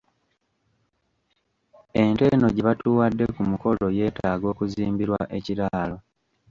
Ente eno gye batuwadde ku mukolo yetaaga okuzimbirwa ekiraalo.